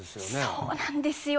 そうなんですよ